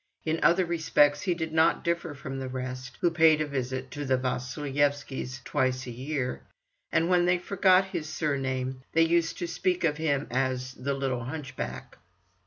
In other respects he did not differ from the rest, who paid a visit to the Vasilyevskys twice a year, and when they forgot his surname they used to speak of him as the "little hunchback."